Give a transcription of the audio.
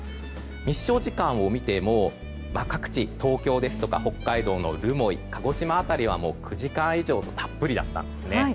日照時間を見ても各地、東京ですとか北海道の留萌、鹿児島辺りは９時間以上とたっぷりだったんですね。